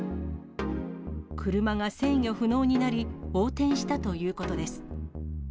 車が制御不能になり、横転したということです。